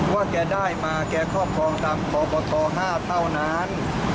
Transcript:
แกได้มาแกครอบครองตามพบต๕เท่านั้น